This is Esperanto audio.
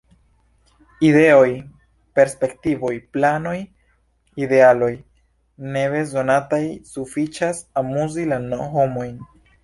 Ideoj, perspektivoj, planoj, idealoj – ne bezonataj; sufiĉas amuzi la homojn.